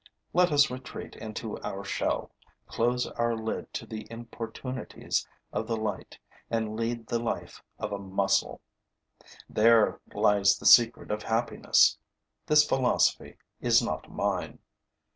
Let us retreat into our shell, close our lid to the importunities of the light and lead the life of a mussel. There lies the secret of happiness. This philosophy is not mine.